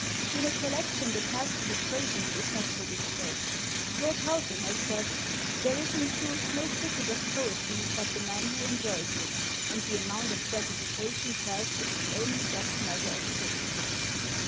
In a collection the task of appraisement is not so difficult. Lord Houghton has said: "There is in truth no critic of poetry but the man who enjoys it, and the amount of gratification felt is the only just measure of criticism."